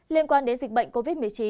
liên quan đến dịch bệnh covid một mươi chín